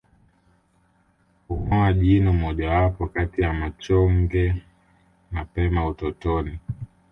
Kungoa jino mojawapo kati ya machonge mapema utotoni